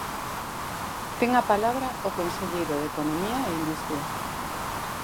Ten a palabra o conselleiro de Economía e Industria.